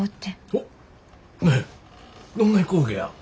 おっほんでどんな飛行機や？